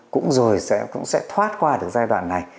cũng rồi sẽ thoát qua được giai đoạn này